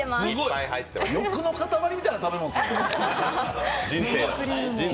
欲の塊みたいな食べ物ですね、これ。